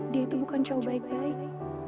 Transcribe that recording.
dia itu bukan cowok baik